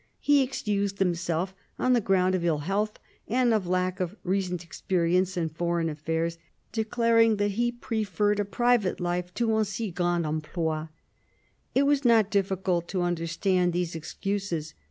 He excused himself on the ground of ill health and of lack of recent experience in foreign affairs, declaring that he preferred a private life to " un si grand emploi." It was not difficult to understand these excuses.